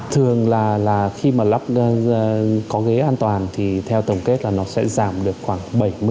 thường là khi mà lắp có ghế an toàn thì theo tổng kết là nó sẽ giảm được khoảng bảy mươi